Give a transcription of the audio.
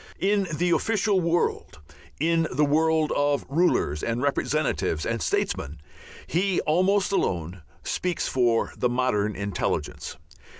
In the official world, in the world of rulers and representatives and "statesmen," he almost alone, speaks for the modern intelligence.